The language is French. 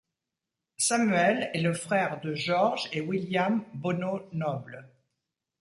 Samuel est le frère de George et William Bonneau Noble.